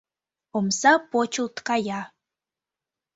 Омса почылт кая.